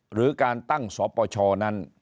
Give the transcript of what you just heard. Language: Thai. หรือการตั้งสปชนั้น